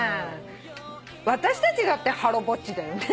私たちだってハロぼっちだよね。